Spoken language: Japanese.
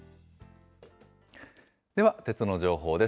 では鉄道の情報です。